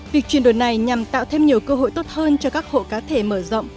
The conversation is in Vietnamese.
việc chuyển đổi này nhằm tạo thêm nhiều cơ hội tốt hơn cho các hộ cá thể mở rộng